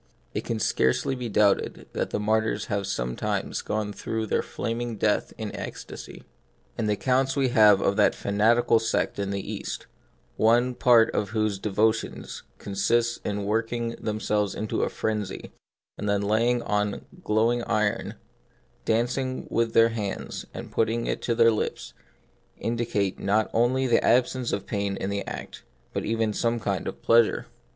It can scarcely be doubted that mar tyrs have sometimes gone through their flam ing death in ecstasy. And the accounts we have of that fanatical sect in the East, one part of whose devotions consists in working themselves first into a frenzy, and then laying hold on glowing iron, dancing with it in their hands, and putting it to their lips, indicate not only an absence of pain in the act, but even some kind of pleasure.